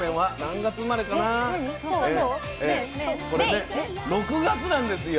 これね６月なんですよ。